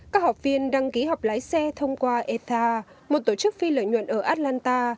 các học viên đăng ký học lái xe thông qua eta một tổ chức phi lợi nhuận ở atlanta